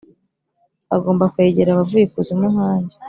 bagomba kwegera abavuye ikuzimu nka njye